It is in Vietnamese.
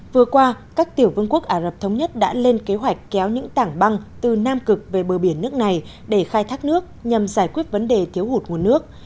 vừa qua các tiểu vương quốc ả rập thống nhất đã lên kế hoạch kéo những tảng băng từ nam cực về bờ biển nước này để khai thác nước nhằm giải quyết vấn đề thiếu hụt nguồn nước